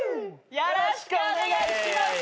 よろしくお願いします！